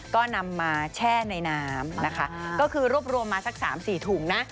ก็นำมาแช่ในน้ำนะคะก็คือรวบรวมมาสัก๓๔ถุงนะ